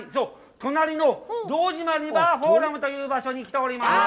隣の堂島リバーフォーラムという場所に来ております。